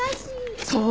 そう！